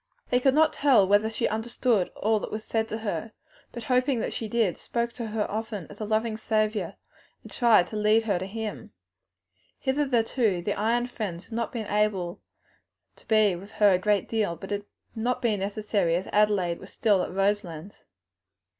They could not tell whether she understood all that was said to her, but hoping that she did, spoke often to her of the loving Saviour and tried to lead her to Him. Hitherto the Ion friends had not been able to be with her a great deal, but it had not been necessary, as Adelaide was still at Roselands.